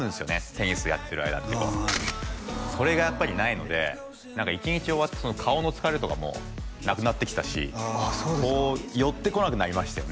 テニスやってる間ってこうそれがやっぱりないので何か１日終わって顔の疲れとかもなくなってきたしこう寄ってこなくなりましたよね